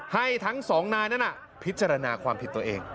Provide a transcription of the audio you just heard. ให้ทั้งสองนายนั้นพิจารณาความผิดตัวเอง